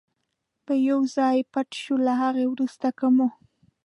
به یو ځای پټ شو، له هغه وروسته که مو.